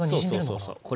そうそうそうそう。